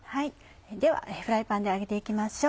ではフライパンで揚げて行きましょう。